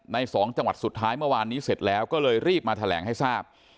๒จังหวัดสุดท้ายเมื่อวานนี้เสร็จแล้วก็เลยรีบมาแถลงให้ทราบ